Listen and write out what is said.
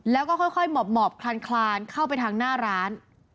แล้วก็ค่อยหมอบคลานเข้าไปทางหน้าร้าน